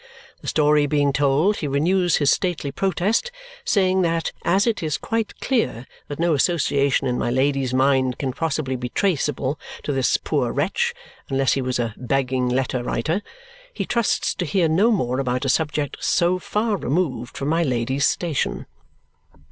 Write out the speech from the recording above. The story being told, he renews his stately protest, saying that as it is quite clear that no association in my Lady's mind can possibly be traceable to this poor wretch (unless he was a begging letter writer), he trusts to hear no more about a subject so far removed from my Lady's station.